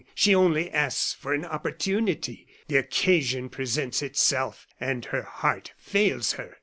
She only asks for an opportunity. The occasion presents itself, and her heart fails her.